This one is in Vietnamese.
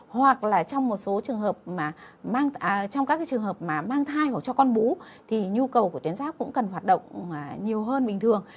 hoặc là trong một số trường hợp mà mang thai hoặc cho con bú thì nhu cầu của tuyến giáp cũng cần hoạt động nhiều hơn bình thường